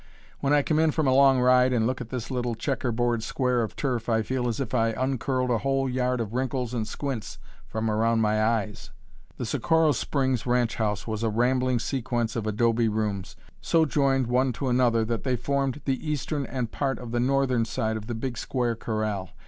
When I come in from a long ride and look at this little checker board square of turf I feel as if I uncurled a whole yard of wrinkles and squints from around my eyes." The Socorro Springs ranch house was a rambling sequence of adobe rooms, so joined one to another that they formed the eastern and part of the northern side of the big square corral.